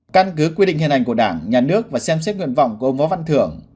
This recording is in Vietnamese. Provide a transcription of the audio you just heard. căn cứ quy định hiện hành của đảng nhà nước và xem xét nguyện vọng của ông võ văn thưởng